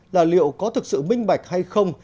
là liệu có thực sự minh bạch hay không